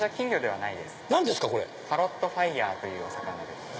パロットファイヤーという魚です。